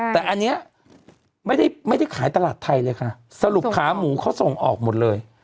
แต่อันนี้ไม่ได้ขายตลาดไทยเลยค่ะสรุปขาหมูเขาส่งออกหมดเลย